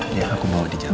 iya aku bawa di jalan